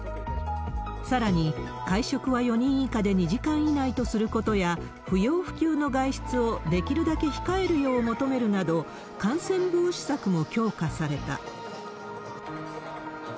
さらに、会食は４人以下で２時間以内とすることや、不要不急の外出をできるだけ控えるよう求めるなど、感染防止策も強化された。